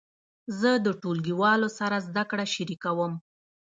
زه د ټولګیوالو سره زده کړه شریکوم.